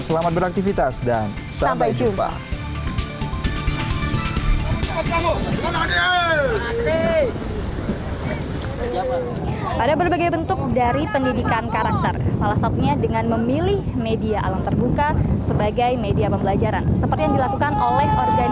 selamat beraktivitas dan sampai jumpa